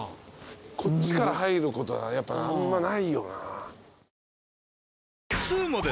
こっちから入ることはやっぱあんまないよな。